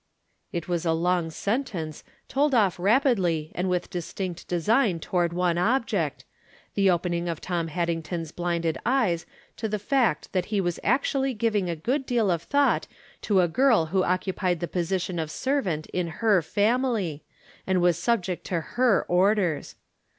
It was a long sentence, told off rapidly and with distinct design toward one object, the open ing of Tom Haddington's blinded eyes to the fact that he was actually giving a good deal of thought to a girl who occupied the position of servant in her family and was subject to lier or ders.'